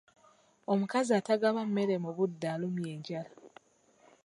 Omukazi atagaba mmere mu budde alumya enjala.